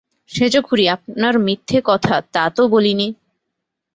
সেজখুড়ি, আপনার মিথ্যে কথা তা তো বলিনি!